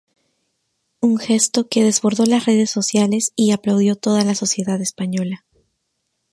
Un gesto que desbordó las redes sociales y aplaudió toda la sociedad española.